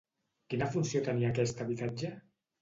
Quina funció tenia aquest habitatge?